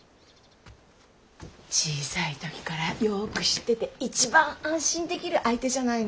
小さい時からよく知ってて一番安心できる相手じゃないの。